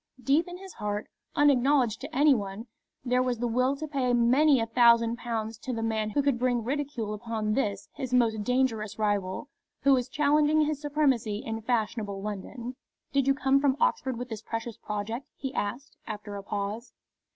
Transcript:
Deep in his heart, unacknowledged to any one, there was the will to pay many a thousand pounds to the man who would bring ridicule upon this his most dangerous rival, who was challenging his supremacy in fashionable London. "Did you come from Oxford with this precious project?" he asked, after a pause.